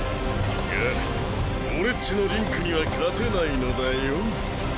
が俺っちの「同調」には勝てないのだよん。